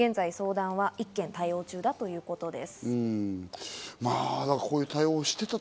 現在、相談は１件、対応中だということです。